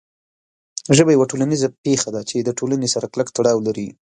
ژبه یوه ټولنیزه پېښه ده چې د ټولنې سره کلک تړاو لري.